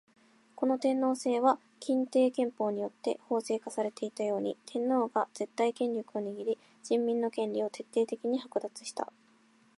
この天皇制は欽定憲法によって法制化されていたように、天皇が絶対権力を握り人民の権利を徹底的に剥奪した。